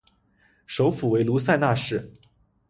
首府为卢塞纳市。